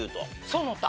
その他。